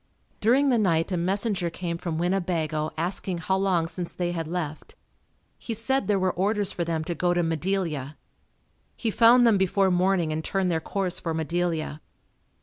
During the night a messenger came from Winnebago asking how long since they had left. He said there were orders for them to go to Madelia. He found them before morning and turned their course for Madelia.